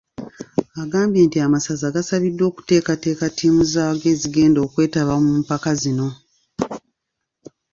Agambye nti amasaza gasabiddwa okuteekateeka ttiimu zaago ezigenda okwetaba mu mpaka zino .